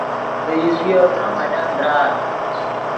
ڤے یوویو ترے ملن درآت